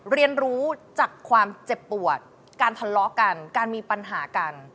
เรียนรู้จากความเจ็บปวดการทะเลาะกันการมีปัญหากัน